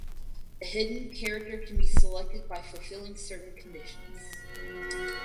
A hidden character can be selected by fulfilling certain conditions.